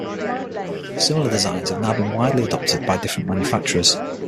Similar designs have now been widely adopted by different manufacturers.